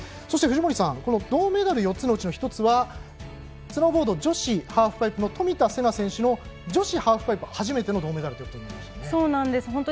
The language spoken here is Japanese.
そして、藤森さん銅メダル４つのうちの１つはスノーボード女子ハーフパイプの冨田せな選手の女子ハーフパイプ初めての銅メダルでした。